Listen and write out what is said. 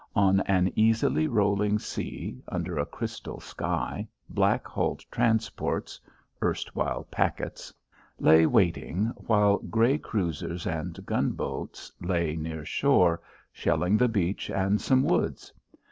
On an easily rolling sea, under a crystal sky, black hulled transports erstwhile packets lay waiting, while grey cruisers and gunboats lay near shore, shelling the beach and some woods.